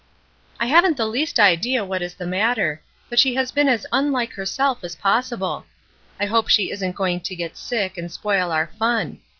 "I haven't the least idea what is the matter, but she has been as unlike herself as possible. I hope she isn't going to get sick and spoil our fun.